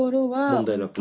問題なく？